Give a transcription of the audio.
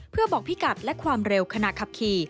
เพื่อบอกพิกัดและความเร็วขณะขับขี่